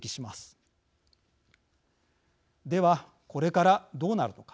ではこれからどうなるのか。